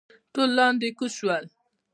ټول لاندې کوز شول.